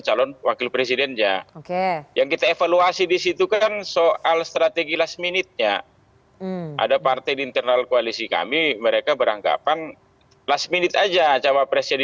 cawapresnya kalau kelamaan kita bisa